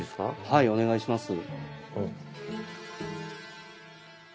はいお願いします。